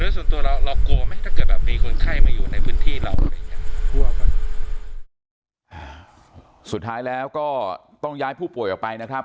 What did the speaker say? สุดท้ายแล้วก็ต้องย้ายผู้ป่วยออกไปนะครับ